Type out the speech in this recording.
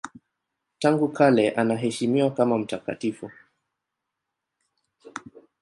Tangu kale anaheshimiwa kama watakatifu.